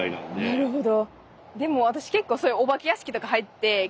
なるほど。